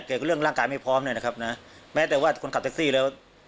เรื่องร่างกายไม่พร้อมด้วยนะครับนะแม้แต่ว่าคนขับแท็กซี่แล้ว